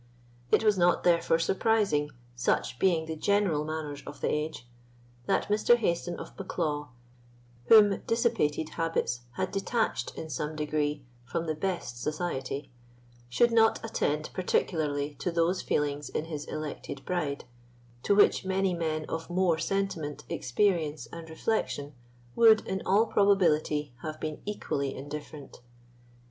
It was not therefore surprising, such being the general manners of the age, that Mr. Hayston of Bucklaw, whom dissipated habits had detached in some degree from the best society, should not attend particularly to those feelings in his elected bride to which many men of more sentiment, experience, and reflection would, in all probability, have been equally indifferent.